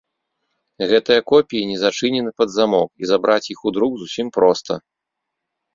Гэтыя копіі не зачынены пад замок, і забраць іх у друк зусім проста.